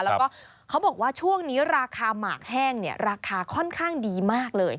แล้วก็เขาบอกว่าช่วงนี้ราคาหมากแห้งเนี่ยราคาค่อนข้างดีมากเลย